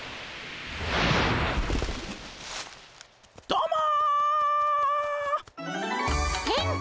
どうも。